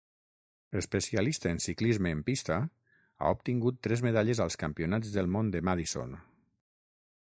Especialista en ciclisme en pista, ha obtingut tres medalles als Campionats del món de Madison.